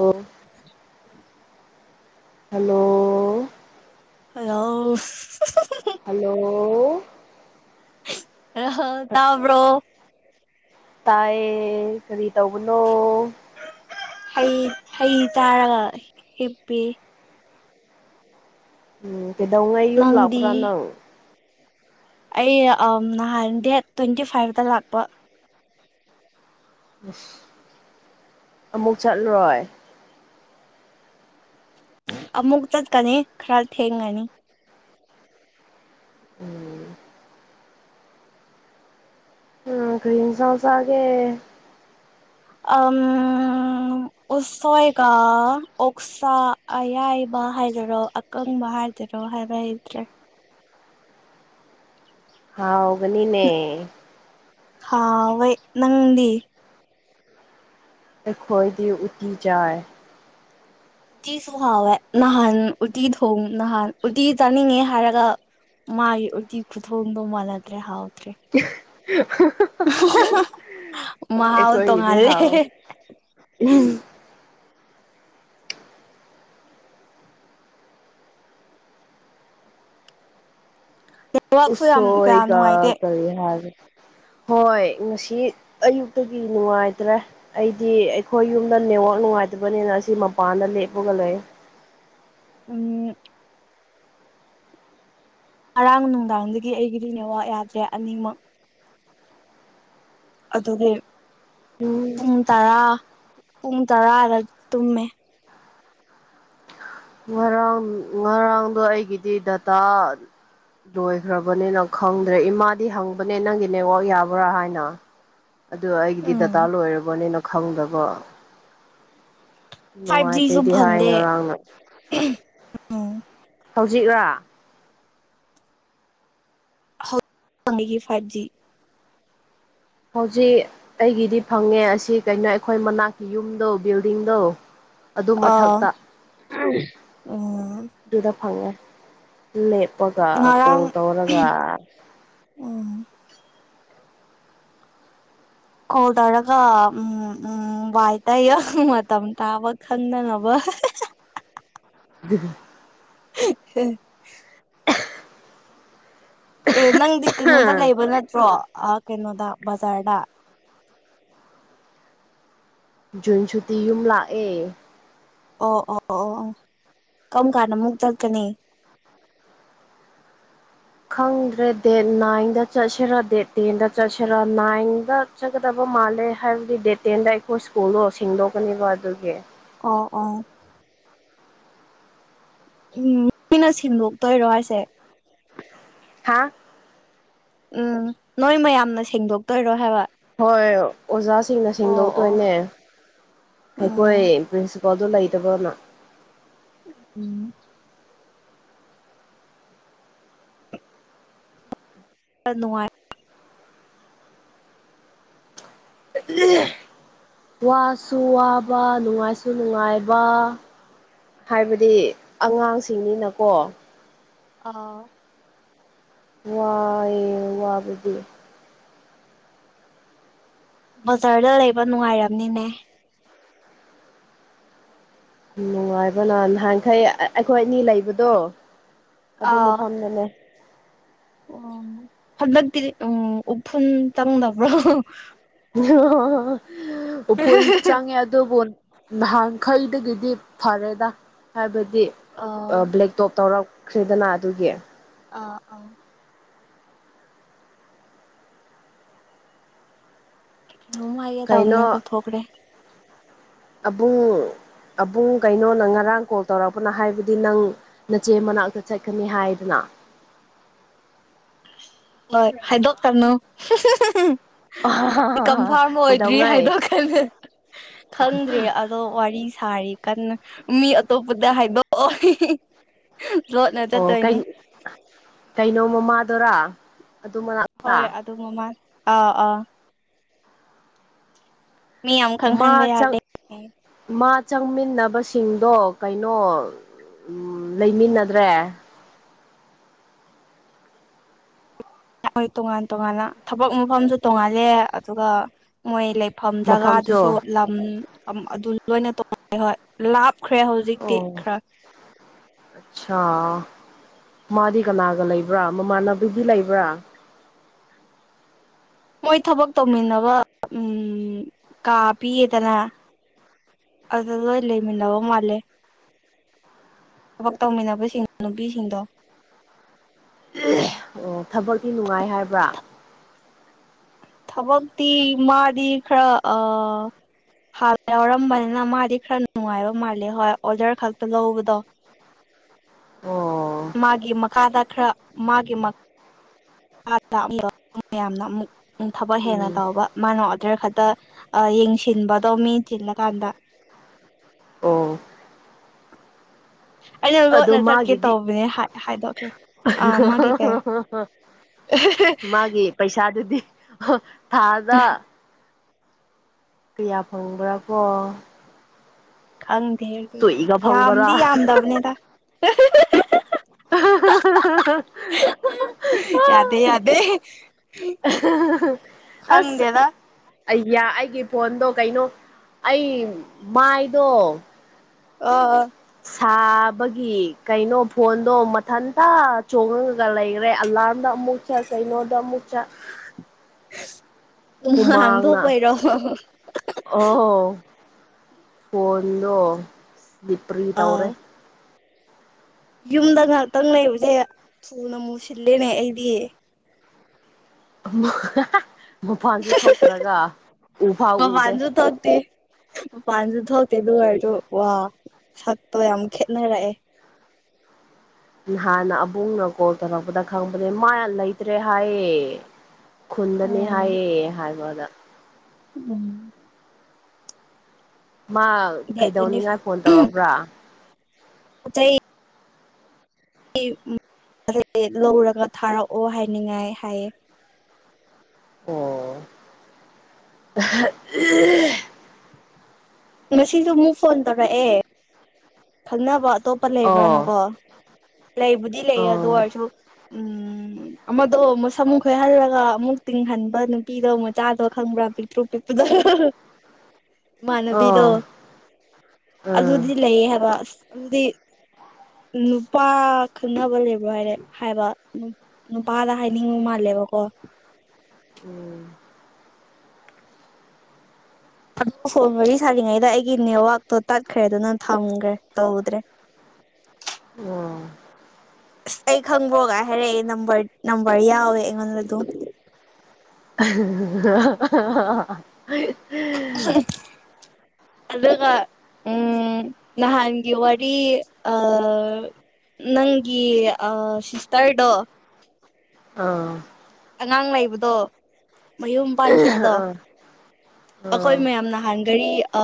ꯑꯣ hello hello hello ꯑ ꯇꯥꯕ꯭ꯔꯣ ꯇꯥꯏꯌꯦ ꯀꯔꯤ ꯇꯧꯕꯅꯣ ꯍꯩ ꯍꯩ ꯇꯥꯔꯒ ꯍꯤꯞꯄꯤ ꯎꯝ ꯀꯩꯗꯧꯉꯥꯏ ꯌꯨꯝꯂꯥꯛ ꯅꯪꯗꯤ ꯄꯨ꯭ꯔꯥ ꯅꯪ ꯑꯩ ꯅꯍꯥꯟ ꯗꯦꯠ ꯇ꯭ꯋꯦꯟꯇꯤ ꯐꯥꯏꯚꯇ ꯂꯥꯛꯄ ꯑꯃꯨꯛ ꯆꯠꯂꯣꯏ ꯑꯃꯨꯛ ꯆꯠꯀꯅꯤ ꯈꯔ ꯊꯦꯡꯒꯅꯤ ꯎꯝ ꯎꯝ ꯀꯔꯤꯝ ꯁꯁꯥꯒꯦ ꯑꯝ ꯎꯁꯦꯒ ꯑꯣꯁꯥ ꯑ ꯌꯥ ꯍꯥꯏꯗꯔꯣ ꯑꯀꯪꯕ ꯍꯥꯏꯗꯔꯣ ꯍꯥꯏꯕ ꯍꯩꯇ꯭ꯔꯦ ꯍꯥꯎꯒꯅꯤꯅꯦ ꯍꯥꯥ ꯅꯪꯗꯤ ꯑꯩꯈꯣꯏꯗꯤ ꯎꯇꯤ ꯌꯥꯏ ꯎꯇꯤꯁꯨ ꯍꯥꯎꯋꯦ ꯅꯍꯥꯟ ꯎꯇꯤ ꯊꯣꯡ ꯅꯍꯥꯟ ꯎꯇꯤ ꯆꯥꯅꯤꯡꯉꯦ ꯍꯥꯏꯔꯒ ꯃꯥꯒꯤ ꯎꯇꯤ ꯈꯨꯊꯣꯡꯗꯣ ꯃꯥꯜꯂꯗ꯭ꯔꯦ ꯍꯥꯎ [inaudible] ꯃꯥꯥꯎ ꯑꯩꯈꯣꯏꯒꯤꯗꯤ ꯇꯣꯉꯂꯦ ꯍꯥꯎꯋꯦ ꯎꯝ ꯎꯁꯣ ꯌꯥꯝ ꯀꯌꯥ ꯑꯣꯏꯒ ꯅꯨꯡꯉꯥꯏꯇꯦ ꯀꯔꯤꯍꯔ ꯍꯣꯏ ꯉꯁꯤ ꯑꯌꯨꯛꯇꯒꯤ ꯅꯨꯡꯉꯥꯏꯇ꯭ꯔꯦ ꯑꯩꯗꯤ ꯑꯩꯈꯣꯏ ꯌꯨꯝꯗ ꯅꯦꯋꯥꯛ ꯅꯨꯡꯉꯥꯏ ꯅꯨꯡꯉꯥꯏꯇꯕꯅꯤꯅ ꯑꯁꯤ ꯃꯄꯥꯟꯗ ꯂꯦꯞꯄꯒ ꯂꯩꯣꯏ ꯎ ꯉꯔꯥꯡ ꯅꯨꯡꯗꯥꯡꯗꯒꯤ ꯑꯩꯒꯤꯗꯤꯅꯦꯋꯥ ꯌꯥꯗ꯭ꯔꯦ ꯑꯅꯤꯃꯛ ꯑꯗꯨꯒꯒꯤ ꯎꯝ ꯄꯨꯡ ꯇꯔꯥ ꯄꯨꯡ ꯇꯔꯥꯗ ꯇꯨꯝꯃꯦ ꯉꯔꯥꯡ ꯉꯔꯥꯡꯗꯣ ꯑꯩꯒꯤꯗꯤ ꯗꯇꯥ ꯂꯣꯏꯈ꯭ꯔꯕꯅꯤꯅ ꯈꯪꯗ꯭ꯔꯦ ꯏꯃꯥꯗꯤ ꯍꯪꯕꯅꯦ ꯅꯪꯒꯤ ꯅꯦꯠꯋꯥꯛ ꯌꯥꯕ꯭ꯔꯥ ꯍꯥꯏꯅ ꯑꯗꯨ ꯑꯩꯒꯤꯗꯤ ꯗꯇꯥ ꯎꯝ ꯂꯣꯏꯔꯕꯅꯤꯅ ꯈꯪꯗꯕ ꯐꯥꯏꯚ ꯖꯤꯁꯨ ꯅꯨꯡꯉꯥꯏꯇꯦꯗꯤ ꯍꯥꯏ ꯐꯪꯗꯦ ꯉꯔꯥꯡꯅ ꯎꯝ ꯍꯧꯖꯤꯛꯔꯥ ꯐꯪꯉꯒꯤ ꯐꯥꯏꯚ ꯖꯤ ꯍꯧꯖꯤꯛ ꯑꯩꯒꯤꯗꯤ ꯐꯪꯉꯦ ꯑꯁꯤ ꯀꯩꯅꯣ ꯑꯩꯈꯣꯏ ꯃꯅꯥꯛꯀꯤ ꯌꯨꯝꯗꯣ ꯕꯤꯜꯗꯤꯡꯗꯣ ꯑꯗꯨ ꯑꯥ ꯃꯊꯛꯇ ꯎꯝ ꯑꯗꯨꯗ ꯐꯪꯉꯦ ꯂꯦꯞ ꯄꯄꯒ ꯉꯔꯥꯡ ꯀꯣꯠ ꯑꯣꯔꯒ ꯎꯝ ꯍ ꯇꯧꯔꯒ ꯎꯝ ꯎꯝ ꯋꯥꯏꯇꯑꯣ ꯃꯝ ꯇꯕ ꯈꯟꯗ ꯅꯕ ꯑꯗꯨ ꯍ ꯑꯦ ꯅꯪꯗꯤ ꯀꯩꯅꯣꯗ ꯂꯩꯕ ꯅꯠꯇ꯭ꯔꯣ ꯀꯩꯅꯣꯗ ꯕꯖꯥꯔꯗ ꯖꯨꯟ ꯁꯨꯇꯤ ꯌꯨꯝ ꯂꯥꯛꯑꯦ ꯑꯣ ꯑꯣ ꯑꯣ ꯑꯣ ꯀꯔꯝ ꯀꯥꯟꯗ ꯑꯃꯨꯛ ꯆꯠꯀꯅꯤ [inaudible] ꯈꯪꯗ꯭ꯔꯦ ꯗꯦꯠ ꯅꯥꯏꯟꯗ ꯆꯠꯁꯤꯦꯔꯥ ꯗꯦꯠ ꯇꯦꯟꯗ ꯆꯠꯁꯤꯦꯔꯥ ꯅꯥꯏꯟꯗ ꯆꯠꯀꯗꯕ ꯃꯥꯜꯂꯦ ꯍꯥꯏꯕꯗꯤ ꯗꯦꯠ ꯇꯦꯟꯗ ꯑꯩꯈꯣꯏ ꯁ꯭ꯀꯨꯜꯗꯣ ꯁꯦꯡꯗꯣꯛꯀꯅꯦꯕ ꯑꯗꯨꯒꯤ ꯑꯣ ꯑꯣ ꯎꯝ ꯃꯤꯣꯏꯅ ꯁꯤꯟꯗꯣꯛꯇꯣꯏꯔꯣ ꯍꯥꯏꯁꯦ ꯍꯥꯥ ꯎꯝ ꯅꯣꯏ ꯃꯌꯥꯝꯅ ꯁꯦꯡꯗꯣꯛꯇꯣꯏꯔꯣ ꯍꯥꯏꯕ ꯍꯣꯏ ꯑꯣꯖꯥꯁꯤꯡꯅ ꯑꯣ ꯑꯣ ꯁꯦꯡꯗꯣꯛꯇꯣꯏꯅꯦ ꯎꯝ ꯑꯩꯈꯣꯏ ꯄ꯭ꯔꯤꯁꯤ ꯑꯗꯨ ꯂꯩꯇꯕꯅ ꯎꯝ ꯅꯨꯡꯉꯥꯏ ꯋꯥꯁꯨ ꯋꯥꯕ ꯅꯨꯡꯉꯥꯏꯁꯨ ꯅꯨꯡꯉꯥꯏꯕ ꯍꯥꯏꯕꯗꯤ ꯑꯉꯥꯡꯁꯤꯡꯅꯤꯅꯀꯣ ꯑ ꯋꯥꯏ ꯋꯥꯕꯗꯤ ꯕꯖꯥꯔꯗ ꯂꯩꯕ ꯅꯨꯡꯉꯥꯏꯔꯝꯅꯤꯅꯦ ꯅꯨꯡꯉꯥꯏꯕ ꯅ ꯅꯍꯥꯟꯈꯩ ꯑꯩꯈꯣꯏ ꯑꯅꯤ ꯂꯩꯕꯗꯣ ꯑꯗꯨ ꯃꯐꯝꯗꯅꯦ ꯑꯣ ꯍꯃꯛꯗꯤ ꯎ ꯎꯐꯟ ꯆꯪꯗꯕ꯭ꯔꯣ ꯑꯣ ꯄꯨꯣꯟ ꯆꯉꯦ ꯑꯗꯨꯣ ꯐ ꯅꯍꯥꯟꯈꯩꯗꯒꯤꯗꯤ ꯐꯔꯦꯗ ꯍꯥꯏꯕꯗꯤ ꯑꯥ ꯕ꯭ꯂꯦ ꯇꯣꯞ ꯇꯧꯔꯛ ꯈ꯭ꯔꯦꯗꯅ ꯑꯗꯨꯒꯤ ꯑꯥ ꯑꯥ ꯔꯃ ꯑꯏꯦ ꯇꯅꯦ ꯀ ꯊ ꯊꯣꯛꯧꯀꯔꯦ ꯑꯕꯨꯡꯉꯨ ꯑꯕꯨꯡ ꯀꯩꯅꯣ ꯅ ꯉꯔꯥꯡ ꯀꯣꯜ ꯇꯧꯔꯛꯄꯅ ꯍꯥꯏꯕꯗꯤ ꯅꯪ ꯅꯆꯦ ꯃꯅꯥꯛꯇ ꯆꯠꯀꯅꯤ ꯍꯥꯏꯗꯅ [unintelligible] ꯍꯣꯏ ꯍꯥꯏꯗꯣꯛ ꯇꯅꯣ ꯀꯝꯐꯥꯔꯝ ꯑꯣꯏꯗ꯭ꯔꯤ ꯀꯩꯗꯧꯉꯩ ꯍꯥꯏꯗꯣ ꯈꯜꯂ ꯈꯪꯗ꯭ꯔꯤ ꯑꯗꯣ ꯋꯥꯔꯤꯁ ꯁꯥꯔꯤ ꯀꯟꯅ ꯃꯤ ꯑꯇꯣꯞꯄꯗ ꯍꯥꯏꯗꯣꯑꯣꯏ ꯑꯣ ꯀꯩ ꯀꯩꯅꯣ ꯃꯃꯥꯗꯣꯔ ꯍꯣꯏ ꯑꯗꯨ ꯃꯃꯥ ꯑꯥ ꯑꯥ ꯃꯤ ꯌꯥꯝ ꯃꯥ ꯈꯪꯍꯟꯕ ꯆꯪ ꯌꯥꯗꯦ ꯃꯥ ꯆꯪꯃꯤꯟꯅꯕꯁꯤꯡꯗꯣ ꯀꯩꯅꯣ ꯂꯩꯃꯤꯟꯅꯗ꯭ꯔꯦ ꯃꯣꯏ ꯇꯣꯉꯥꯟ ꯇꯣꯉꯥꯟꯅ ꯊꯕꯛ ꯃꯐꯝꯁꯨ ꯇꯣꯉꯥꯜꯂꯦ ꯑꯗꯨꯒ ꯃꯣꯏ ꯂꯩꯞ ꯃꯐꯝ ꯃꯐꯝꯁꯨ ꯖꯒꯥꯗꯨꯁꯨ ꯂꯝ ꯑꯝ ꯑꯗꯨ ꯂꯣꯏꯅ ꯇꯉꯦ ꯍꯣꯏ ꯂꯥꯞ ꯈ꯭ꯔꯦ ꯍꯧꯖꯤꯛꯇꯤ ꯈꯔ ꯑꯠꯁꯥ ꯃꯥꯗꯤ ꯀꯅꯥꯒ ꯂꯩꯕ꯭ꯔꯥ ꯃꯃꯥꯟꯅꯕꯤꯗꯤ ꯂꯩꯕ꯭ꯔꯥ ꯃꯣꯏ ꯊꯕꯛ ꯇꯧꯃꯤꯟꯅꯕ ꯎꯝ ꯀꯥ ꯄꯤꯌꯦꯗꯅ ꯑꯗ ꯂꯣꯏ ꯂꯩꯃꯤꯟꯅ ꯋꯥ ꯃꯂꯦ ꯊꯕꯛ ꯇꯧꯃꯤꯟꯅꯕꯁꯤꯡ ꯅꯨꯄꯤꯁꯤꯡꯗꯣ ꯑꯣ ꯊꯕꯛꯇꯤ ꯅꯨꯡꯉꯥꯏ ꯍꯥꯏꯕ꯭ꯔꯥ ꯊꯕꯛꯇꯤ ꯃꯥꯗꯤ ꯈꯔ ꯑ ꯍꯥꯜ ꯌꯥꯎꯔꯝꯕꯅꯤꯅ ꯃꯥꯗꯤ ꯈꯔ ꯅꯨꯡꯉꯥꯏꯕ ꯃꯥꯜꯂꯦ ꯍꯣꯏ ꯑꯣꯗꯔ ꯈꯛꯇ ꯂꯧꯕꯗꯣ ꯑꯣ ꯃꯥꯒꯤ ꯃꯈꯥꯗꯠ ꯈꯔ ꯃꯥꯒꯤ ꯃꯛ ꯇꯥ ꯇꯥꯑꯝꯕ ꯃꯌꯥꯝꯅ ꯑꯃꯨꯛ ꯎꯝ ꯊꯕꯛ ꯍꯦꯟꯅ ꯎꯝ ꯇꯧꯕ ꯃꯥꯅ ꯑꯣꯗꯔ ꯈꯠꯇ ꯑ ꯌꯦꯡꯁꯤꯟꯕꯗꯣ ꯃꯤꯡ ꯊꯤꯜꯂꯀꯥꯟꯗ ꯑꯣ ꯑꯩꯅ ꯑꯗꯣ ꯂꯣꯠꯅ ꯆꯠꯀꯦ ꯃꯥꯒꯤꯗꯤ ꯇꯧꯕꯅꯦ ꯍꯥꯏꯗꯣꯛꯈ꯭ꯔꯦ ꯑꯥ ꯃꯥꯒꯤ ꯀꯩ [unintelligible] ꯃꯥꯒꯤ ꯄꯩꯁꯥꯗꯨꯗꯤ ꯍ ꯊꯥꯗ ꯀꯌꯥ ꯐꯪꯕ꯭ꯔꯥ ꯀꯣ ꯈꯪꯗꯦꯍꯦ ꯑꯗꯨꯗꯤ ꯆꯨꯏꯒ ꯐꯪꯕ꯭ꯔꯥ ꯌꯥꯝꯗꯤ ꯌꯥꯝꯗꯕꯅꯦꯗ ꯍ ꯍ ꯍ ꯍ ꯌꯥꯗꯦ ꯌꯥꯗꯦ ꯑꯁ ꯈꯪꯗꯦꯗ ꯑꯩꯌꯥ ꯑꯩꯒꯤ ꯐꯣꯟꯗꯣ ꯀꯩꯅꯣ ꯑꯩ ꯃꯥꯏꯗꯣ ꯑ ꯑ ꯁꯥꯕꯒꯤ ꯀꯩꯅꯣ ꯐꯣꯟꯗꯣ ꯃꯊꯟꯇ ꯆꯣꯡꯉꯉꯒ ꯂꯩꯒꯔꯦ ꯑꯂ ꯀꯥꯝꯗ ꯑꯃꯨꯛ ꯆꯠ ꯀꯩꯅꯣꯗ ꯑꯃꯨꯛ ꯆꯠ ꯎꯝ ꯍꯨꯃꯥꯡꯅ ꯍꯥꯟꯗꯣꯛꯄꯩꯔꯣ ꯑꯣ ꯐꯣꯟꯗꯣ ꯂꯤꯄꯔꯤ ꯇꯧꯔꯦ ꯑꯥ ꯌꯨꯝꯗ ꯉꯍꯥꯛꯇꯪ ꯂꯩꯌꯨꯖꯦꯍꯦ ꯊꯨꯅ ꯃꯨꯁꯤꯜꯂꯦꯅꯦ ꯑꯩꯗꯤ ꯃꯄꯥꯟꯁꯨ ꯊꯣꯛꯇ꯭ꯔꯒ ꯎꯐꯥꯎ ꯎꯗꯦ ꯃꯄꯥꯟꯁꯨ ꯊꯣꯛꯇꯦ ꯃꯄꯥꯟꯁꯨ ꯊꯣꯛꯇꯦ ꯑꯗꯨ ꯑꯣꯏꯔꯖꯨ ꯋꯥ ꯁꯛꯇꯣ ꯌꯥꯝ ꯈꯦꯠꯅꯔꯛꯑꯦ ꯅꯍꯥꯟꯅ ꯑꯕꯨꯡꯅ ꯀꯣꯜ ꯇꯧꯔꯛꯄꯗ ꯈꯪꯄꯅꯦ ꯃꯥ ꯌ ꯂꯩꯇ꯭ꯔꯦ ꯍꯥꯏꯌꯦ ꯈꯨꯟꯗꯅꯦ ꯍꯥꯏꯌꯦ ꯍꯥꯏꯕꯗ ꯎꯝ ꯃꯥ ꯗꯦꯠ ꯇ꯭ꯋꯦꯟꯇꯤ ꯀꯩꯗꯧꯅꯤꯉꯥꯏ ꯐꯣꯟ ꯇꯧꯔꯛꯕ꯭ꯔꯥ ꯑꯣ ꯆꯩ ꯂꯧꯔꯒ ꯊꯥꯔꯛꯑꯣ ꯍꯥꯏꯅꯤꯡꯉꯥꯏ ꯍꯥꯏꯌꯦ ꯑꯣ ꯉꯁꯤꯁꯨ ꯑꯃꯨꯛ ꯐꯣꯟ ꯇꯧꯔꯛꯑꯦ ꯈꯪꯅꯕ ꯑꯇꯣꯞꯄ ꯑꯣ ꯂꯩꯕ꯭ꯔꯥꯅꯨꯀꯣ ꯂꯩꯕꯨꯗꯤ ꯂꯩ ꯑꯣ ꯑꯗꯨ ꯑꯣꯏꯔꯁꯨ ꯎꯝ [unintelligible] ꯑꯃꯗꯣ ꯑꯃꯨꯛ ꯁꯃꯨꯛ ꯈꯣꯏꯍꯜꯂꯒ ꯑꯃꯨꯛ ꯇꯤꯡꯍꯟꯕ ꯅꯨꯄꯤꯗꯣ ꯑꯃꯨꯛ ꯆꯥꯗꯕ ꯈꯪꯕ꯭ꯔꯥ ꯄꯤꯛꯇ꯭ꯔꯨ ꯄꯤꯄ [unintelligible] ꯎ ꯏꯃꯥꯟꯅꯕꯤꯗꯣ ꯑꯥ ꯑꯗꯨꯗꯤ ꯂꯩ ꯍꯥꯏꯕ ꯑꯁ ꯑꯗꯨꯗꯤ ꯅꯨꯄꯥ ꯈꯪꯅꯕ ꯂꯩꯕ꯭ꯔꯣ ꯍꯥꯏꯔꯦ ꯍꯥꯏꯕ ꯅꯨꯄꯥꯗ ꯍꯥꯏꯅꯤꯡꯕ ꯃꯥꯜꯂꯦ ꯕ ꯀꯣ ꯎꯝ ꯑꯣꯞ ꯐꯣꯟ ꯃꯔꯤ ꯁꯥꯔꯤꯉꯩꯗ ꯑꯩꯒꯤ ꯅꯦꯠꯋꯥꯛꯇꯣ ꯇꯠꯈ꯭ꯔꯦ ꯑꯗꯨꯅ ꯊꯝꯈ꯭ꯔꯦ ꯇꯧꯗ꯭ꯔꯦ ꯑꯣ ꯑꯁ ꯑꯩ ꯈꯪꯕꯒ ꯍꯥꯏꯔꯛꯑꯦ ꯅꯝꯕꯔ ꯅꯝꯕꯔ ꯌꯥꯎꯋꯦ ꯑꯩꯉꯣꯟꯗ ꯑꯗꯨꯝ [unintelligible] ꯑꯗꯨꯒ ꯎꯝ ꯅꯍꯥꯟꯒꯤ ꯋꯥꯔꯤ ꯑ ꯅꯪꯒꯤ ꯑ ꯁꯇꯥꯔꯗꯣ ꯑꯥ ꯑꯉꯥꯡ ꯂꯩꯕꯗꯣ ꯃꯌꯨꯝ ꯄꯥꯟꯈꯤꯕꯗꯣ ꯑꯩꯈꯣꯏ ꯃꯌꯥꯝ ꯅꯍꯥꯟꯒꯔꯤ ꯑ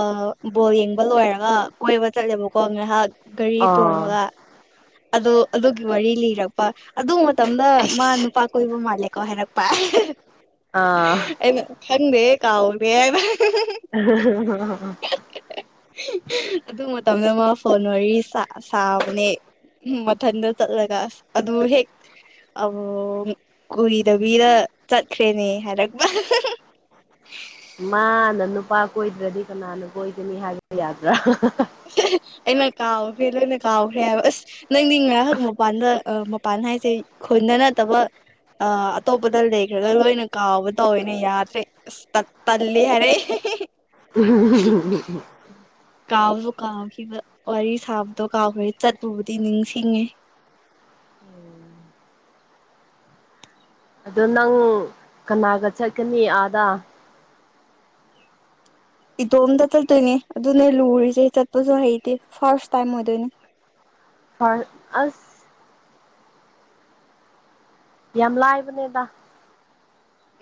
ꯕꯣꯜ ꯌꯦꯡꯕ ꯂꯣꯏꯔꯒ ꯀꯣꯏꯕ ꯆꯠꯂꯦꯕꯀꯣ ꯉꯥꯏꯍꯥꯛ ꯒꯥꯔꯤ ꯑꯥ ꯑꯥ ꯊꯣꯡꯉꯒ ꯑꯗꯣ ꯑꯗꯨꯒꯤ ꯋꯥꯔꯤ ꯂꯤꯔꯛꯄ ꯑꯗꯨ ꯃꯇꯝꯗ ꯑꯁ ꯃꯥ ꯅꯨꯄꯥ ꯀꯣꯏꯕ ꯃꯥꯜꯂꯦꯀꯣ ꯍꯥꯏꯔꯛꯄ ꯄꯥꯏ ꯑꯥ ꯍꯗꯦ ꯀꯥꯎꯗꯦꯕ [unintelligible] ꯑꯗꯨ ꯃꯇꯝꯗ ꯃꯥ ꯐꯣꯟ ꯋꯥꯔꯤ ꯁꯥꯕꯅꯦ ꯎꯝ ꯃꯟ ꯆꯠꯂꯒ ꯑꯗꯨ ꯍꯦꯛ ꯑꯣ ꯀꯨꯔꯤꯗꯕꯤꯗ ꯆꯠꯈ꯭ꯔꯦꯅꯦ ꯍꯥꯏꯔꯛꯄ ꯃꯥꯅ ꯅꯨꯄꯥ ꯀꯣꯏꯗ꯭ꯔꯗꯤ ꯀꯅꯥꯅ ꯀꯣꯏꯗꯅꯤ ꯍꯥꯏꯕ ꯌꯥꯗ꯭ꯔꯥ ꯑꯩꯅ ꯀꯥꯎꯈ꯭ꯔꯦ ꯂꯣꯏꯅ ꯀꯥꯎꯈ꯭ꯔꯦ ꯍꯥꯏꯕ ꯑꯁ ꯅꯪꯗꯤ ꯉꯥꯏꯍꯥꯛ ꯃꯄꯥꯟꯗ ꯃꯄꯥꯟ ꯍꯥꯏꯁꯦ ꯈꯣꯟꯗ ꯅꯠꯇꯕ ꯑ ꯑꯇꯣꯞꯄꯗ ꯂꯩꯈ꯭ꯔꯒ ꯂꯣꯏꯅ ꯀꯥꯎꯕ ꯇꯧꯋꯦꯅ ꯌꯥꯗ꯭ꯔꯦ ꯑꯁ ꯇꯜꯂꯤ ꯍꯥꯏꯔꯛ [unintelligible] ꯀꯥꯎꯕꯁꯨ ꯀꯥꯎꯈꯤꯕ ꯋꯥꯔꯤ ꯁꯥꯕꯗꯣ ꯀꯥꯎꯈ꯭ꯔꯦ ꯆꯠꯄꯨꯕꯨꯗꯤ ꯅꯤꯡꯁꯤꯡꯉꯦ ꯑꯗꯣ ꯅꯪ ꯀꯅꯥꯒ ꯆꯠꯀꯅꯤ ꯑꯥꯗ ꯏꯇꯣꯝꯇ ꯆꯠꯇꯣꯏꯅꯦ ꯑꯗꯨ ꯅ ꯂꯨꯔꯤꯁꯦ ꯆꯠꯄꯁꯨ ꯍꯩꯇꯦ ꯐꯥꯔꯁ ꯇꯥꯏꯝ ꯑꯣꯏꯗꯣꯏꯅꯦ ꯐꯔ ꯑꯁ ꯌꯥꯝ ꯂꯥꯏꯕꯅꯦꯗꯥ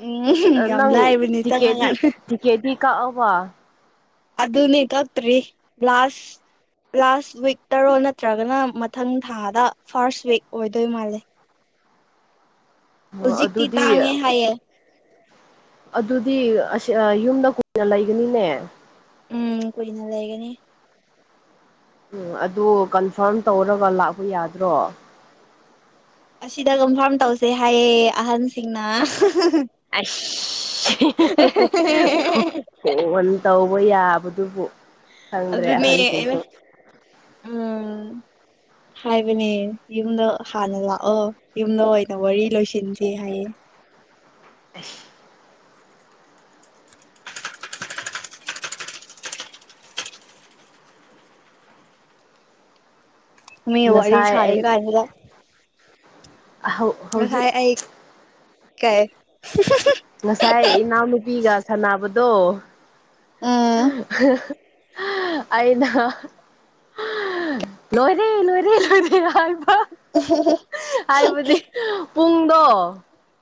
ꯎꯝ ꯌꯥꯝ ꯅꯪ ꯂꯥꯏꯕꯅꯤ ꯇꯤꯀꯦꯠꯗꯤ ꯆꯪꯉꯀꯥꯟꯗ ꯇꯤꯛꯀꯦꯗꯤ ꯀꯛꯑꯕ ꯑꯗꯨꯗ ꯅꯥꯛꯇ꯭ꯔꯤ ꯂꯥꯁꯥꯁ ꯂꯥꯁ ꯋꯤꯛ ꯇꯔꯣꯜ ꯅꯠꯇ꯭ꯔꯒꯅ ꯃꯊꯪ ꯊꯥꯗ ꯐꯥꯔꯁ ꯋꯤꯛ ꯑꯣꯏꯗꯣꯏ ꯃꯥꯜꯂꯦ ꯑꯣ ꯍꯧꯖꯤꯛꯇꯤ ꯑꯗꯨꯗꯤ ꯇꯥꯡꯉꯦ ꯍꯥꯏꯌꯦꯦ ꯑꯗꯨꯗꯤ ꯑꯁ ꯌꯨꯝꯗ ꯀꯨꯏꯅ ꯂꯩꯒꯅꯤꯅꯦ ꯎꯝ ꯀꯣꯏꯅꯅꯥ ꯂꯩꯏꯒꯅꯤ ꯎꯝ ꯑꯗꯨ ꯀꯟꯐꯥꯔꯝ ꯇꯧꯔꯒ ꯂꯥꯛꯄ ꯌꯥꯗ꯭ꯔꯣ ꯑꯁꯤꯗ ꯀꯝꯐꯥꯝ ꯇꯧꯁꯦ ꯍꯥꯏꯌꯦ ꯑꯍꯟꯁꯤꯡꯅ ꯑꯁ ꯍ ꯇ ꯍꯧꯕ ꯌꯥꯕꯗꯨꯕꯨ ꯈꯪꯗ꯭ꯔꯦ ꯑꯗꯨꯅꯦ ꯑꯩꯅ ꯑꯍꯜꯁꯤꯡꯁꯨ ꯎꯝ [unintelligible] ꯍꯥꯏꯕꯅꯦ ꯌꯨꯝꯗ ꯍꯥꯟꯅ ꯂꯥꯛꯑꯣ ꯌꯨꯝꯗ ꯑꯣꯏꯅ ꯋꯥꯔꯤ ꯂꯣꯏꯁꯤꯟꯗꯦ ꯍꯥꯏꯌꯦ ꯑꯁ ꯃꯣꯏꯋꯥ ꯁꯔꯦ ꯀꯗ ꯍꯧ ꯍꯧꯖꯤꯛ ꯀꯥꯏ ꯉꯁꯥꯏ ꯏꯅꯥꯎꯅꯨꯄꯤꯒ ꯁꯥꯟꯅꯕꯗꯣ ꯎꯝ ꯑꯩꯅ ꯂꯣꯏꯔꯦ ꯂꯣꯏꯔꯦ ꯂꯣꯏꯔꯦ ꯍꯥꯏꯕ꯭ꯔ ꯍꯥꯏꯕꯗꯤ ꯄꯨꯡꯗꯣ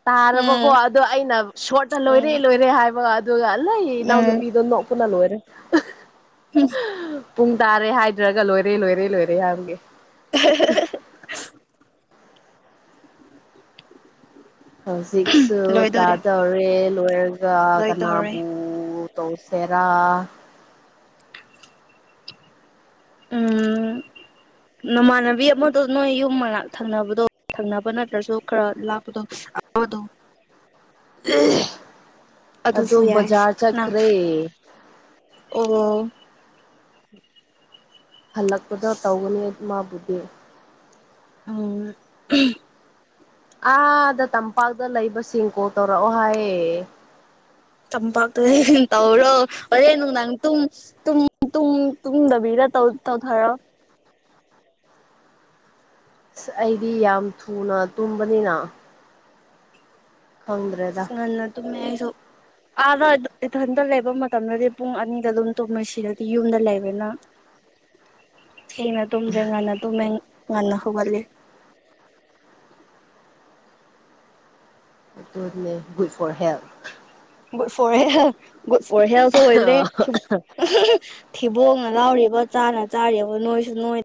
ꯇꯥꯔꯕꯀꯣ ꯎꯝ ꯑꯗꯣ ꯑꯩꯅ ꯄꯣꯠꯇ ꯎꯝ ꯂꯣꯏꯔꯦ ꯂꯣꯏꯔꯦ ꯍꯥꯏꯕ ꯑꯗꯨꯒ ꯂꯩ ꯎꯝ ꯏꯅꯥꯎꯅꯨꯄꯤꯗꯣ ꯅꯣꯛꯄꯅ ꯂꯣꯏꯔꯦ ꯍꯝ ꯄꯨꯡ ꯇꯥꯔꯦ ꯍꯥꯏꯗ꯭ꯔꯒ ꯂꯣꯏꯔꯦ ꯂꯣꯏꯔꯦ ꯂꯣꯏꯔꯦ ꯍꯥꯏꯔꯒꯦ [unintelligible] ꯍ ꯁꯤꯛꯁꯨ ꯂꯣꯏꯗꯣꯔꯦ ꯇꯥꯖꯔꯦ ꯂꯋꯒ ꯂꯣꯏꯗꯣꯔꯦ ꯀꯅꯥꯕꯨ ꯇꯧꯁꯦꯔꯥ ꯎꯝ [unintelligible] ꯅꯃꯥꯟꯅꯕꯤ ꯑꯃꯗꯣ ꯅꯣꯏ ꯌꯨꯝ ꯃꯅꯥꯛ ꯊꯪꯅꯕꯗꯣ ꯊꯪꯅꯕ ꯅꯠꯇ꯭ꯔꯁꯨ ꯈꯔ ꯂꯥꯛꯄꯗꯣ ꯍꯗꯣ [unintelligible] ꯑꯗꯨꯁꯨ ꯑꯗꯨꯣ ꯌꯥꯏ ꯕꯖꯥꯔ ꯅꯪ ꯆꯠꯈ꯭ꯔꯦ ꯑꯣ ꯍꯜꯂꯛꯄꯗ ꯇꯧꯒꯅꯤ ꯃꯥꯕꯨꯗꯤ ꯑꯣ ꯑꯥꯗ ꯇꯝꯄꯥꯛꯇ ꯂꯩꯕꯁꯤꯡ ꯀꯣ ꯇꯧꯔꯛꯑꯣ ꯍꯥꯏꯌꯦ ꯇꯝꯄꯥꯛꯇꯨꯗ ꯍ ꯇꯧꯔꯣ ꯍꯣꯔꯦꯟ ꯅꯨꯡꯗꯥꯡ ꯇꯨꯝꯗꯕꯤꯔ ꯇꯧ ꯇꯧꯊꯔꯣ ꯑꯁ ꯑꯩꯗꯤ ꯌꯥꯝ ꯊꯨꯅ ꯇꯨꯝꯕꯅꯤꯅ ꯈꯪꯗ꯭ꯔꯦꯗ ꯉꯥꯟꯅ ꯑꯗꯨꯃꯦꯁꯨ ꯑꯥꯗ ꯏꯊꯟꯇ ꯂꯩꯕ ꯃꯇꯝꯗꯗꯤ ꯄꯨꯡ ꯑꯅꯤꯗ ꯑꯗꯨꯝ ꯇꯨꯝꯂꯣꯏꯁꯤꯔꯗꯤ ꯌꯨꯝꯗ ꯂꯩꯕꯅ [unintelligible] ꯊꯦꯡꯅ ꯇꯨꯝꯗ꯭ꯔꯦ ꯉꯟꯅ ꯇꯨꯝꯃꯦ ꯉꯟꯅ ꯍꯧꯒꯠꯂ good for help good for health for ꯍꯦꯜꯁꯨ ꯑꯣꯏꯔꯦ ꯊꯕꯣꯡ ꯂꯥꯎꯔꯤꯕ ꯆꯥꯅ ꯆꯥꯔꯤꯕ ꯅꯣꯏꯁꯨ ꯅꯣꯏ